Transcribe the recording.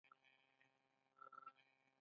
د تخار پوهنتون په تالقان کې دی